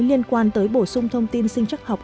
liên quan tới bổ sung thông tin sinh chắc học